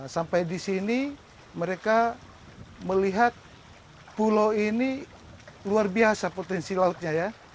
sampai di sini mereka melihat pulau ini luar biasa potensi lautnya ya